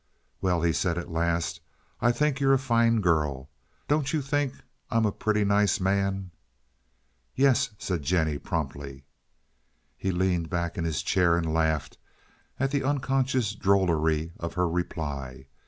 "Well," he said at last, "I think you're a fine girl. Don't you think I'm a pretty nice man?" "Yes," said Jennie, promptly. He leaned back in his chair and laughed at the unconscious drollery of her reply.